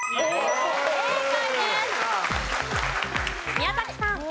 宮崎さん。